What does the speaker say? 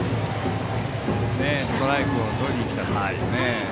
ストライクをとりにきたところですね。